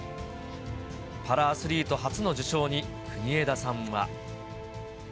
パラアスリート初の受賞に国枝さんは。